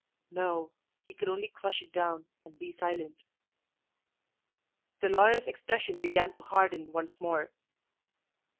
No; he could only crush it down and be silent. The lawyer's expression began to harden once more.